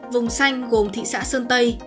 vùng xanh gồm thị xã sơn tây